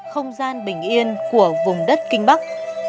không gian bình yên của vùng đất kinh bắc